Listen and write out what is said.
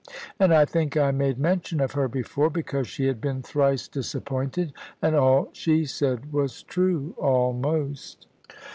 And I think I made mention of her before; because she had been thrice disappointed; and all she said was true almost.